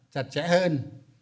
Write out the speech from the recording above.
chặt chẽ hơn